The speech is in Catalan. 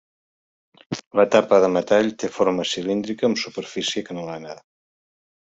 La tapa, de metall, té forma cilíndrica amb superfície acanalada.